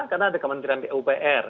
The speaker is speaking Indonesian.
karena ada kementerian di upr